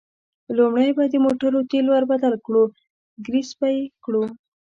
لومړی به د موټرو تېل ور بدل کړو، ګرېس به یې کړو.